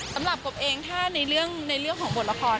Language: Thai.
สำหรับกบเองถ้าในเรื่องของบทละคร